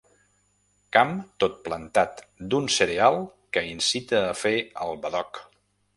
Camp tot plantat d'un cereal que incita a fer el badoc.